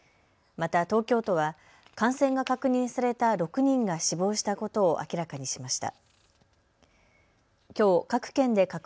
また東京都は感染が確認された６人が死亡したことを明らかにしました。